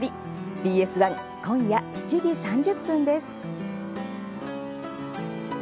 ＢＳ１、今夜７時３０分です。